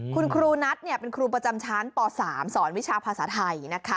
คุณครูนัทเป็นครูประจำชั้นป๓สอนวิชาภาษาไทยนะคะ